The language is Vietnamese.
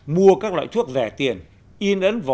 mua các loại thuốc giả phổ biến được các đối tượng sử dụng là